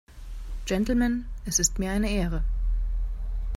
Gentlemen, es ist mir eine Ehre!